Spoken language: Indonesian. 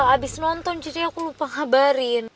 abis nonton jadi aku lupa ngabarin